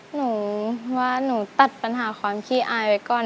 หนูว่าหนูตัดปัญหาความขี้อายไว้ก่อน